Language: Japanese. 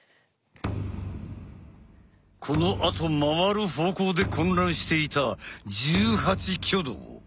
このあと回る方向で混乱していた１８挙動！